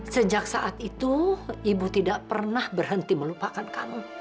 sejak saat itu ibu tidak pernah berhenti melupakan kamu